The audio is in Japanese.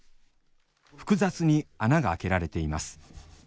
複雑に穴が開けられています。